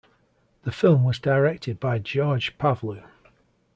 The film was directed by George Pavlou.